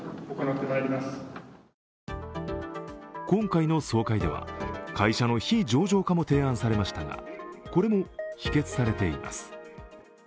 今回の総会では、会社の非上場化も提案されましたがこれも否決されています。